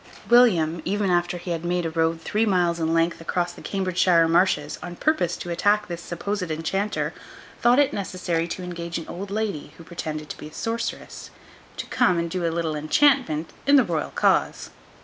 William, even after he had made a road three miles in length across the Cambridgeshire marshes, on purpose to attack this supposed enchanter, thought it necessary to engage an old lady, who pretended to be a sorceress, to come and do a little enchantment in the royal cause.